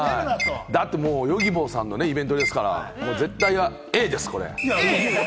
Ｙｏｇｉｂｏさんのイベントですから、絶対Ａです。